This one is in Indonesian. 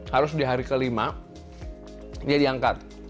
harus di hari kelima dia diangkat